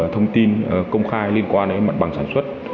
thông tin công khai liên quan đến mặt bằng sản xuất